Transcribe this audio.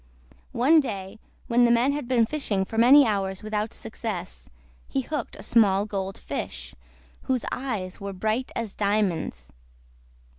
One day when the man had been fishing for many hours without success, he hooked a small Gold Fish, whose eyes were bright as diamonds.